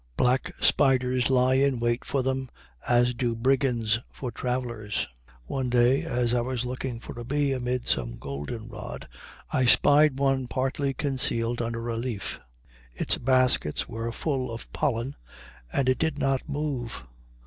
Black spiders lie in wait for them as do brigands for travelers. One day, as I was looking for a bee amid some goldenrod, I spied one partly concealed under a leaf. Its baskets were full of pollen, and it did not move.